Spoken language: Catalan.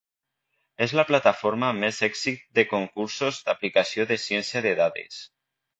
És la plataforma amb més èxit de concursos d'aplicació de ciència de dades.